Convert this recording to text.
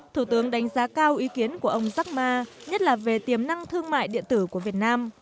thủ tướng đánh giá cao ý kiến của ông zarma nhất là về tiềm năng thương mại điện tử của việt nam